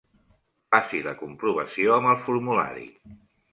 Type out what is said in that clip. Faci la comprovació amb el formulari.